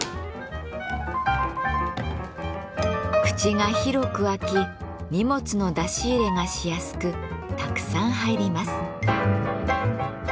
口が広く開き荷物の出し入れがしやすくたくさん入ります。